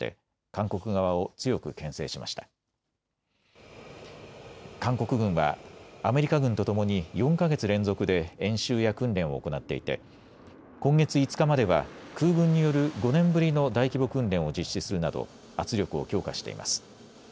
韓国軍はアメリカ軍とともに４か月連続で演習や訓練を行っていて、今月５日までは空軍による５年ぶりの大規模訓練を実施するなど圧力を強化しています。